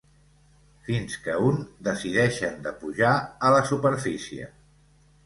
Fins que un decideixen de pujar a la superfície.